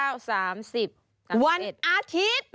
วันอาทิตย์